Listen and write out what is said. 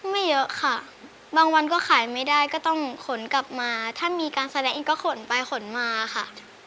ไม่เยอะค่ะบางวันก็ขายไม่ได้ก็ต้องขนกลับมาถ้ามีการแสดงเองก็ขนไปขนมาค่ะ